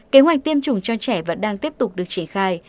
kế hoạch tiêm chủng cho trẻ vẫn đang tiếp tục được triển khai